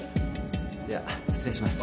では失礼します。